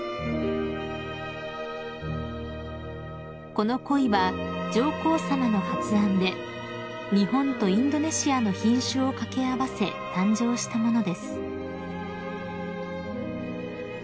［このコイは上皇さまの発案で日本とインドネシアの品種を掛け合わせ誕生したものです］